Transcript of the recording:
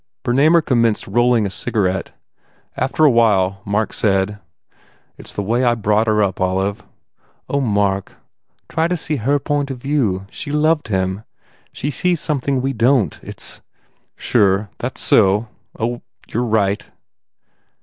Bernamer com menced rolling a cigarette. After a while Mark said, "It s the way I was brought up, Olive." "Oh, Mark, try to to see her point of view. She loved him. She sees something we don t It s" "Sure. That s so. Oh, you re right."